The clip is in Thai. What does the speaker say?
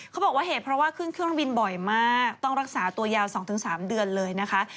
เขาบอกว่าเหตุเพราะว่าขึ้นเครื่องบินบ่อยมากต้องรักษาตัวยาว๒๓เดือนเลยนะคะ